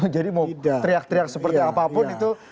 jadi mau teriak teriak seperti apapun itu